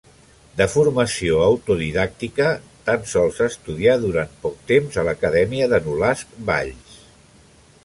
De formació autodidàctica, tan sols estudià durant poc temps a l'acadèmia de Nolasc Valls.